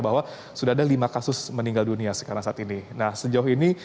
bahwa sudah ada lima kasus meninggal dunia sekarang saat ini